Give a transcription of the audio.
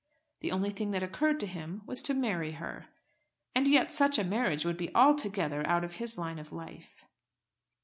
The only thing that occurred to him was to marry her! And yet such a marriage would be altogether out of his line of life.